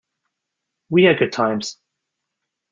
We had good times.